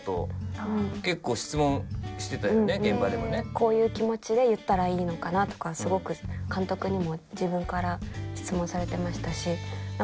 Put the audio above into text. こういう気持ちで言ったらいいのかなとかすごく監督にも自分から質問されてましたし。